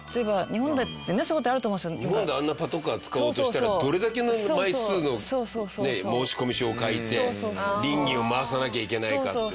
日本であんなパトカー使おうとしたらどれだけの枚数の申込書を書いて稟議を回さなきゃいけないかって。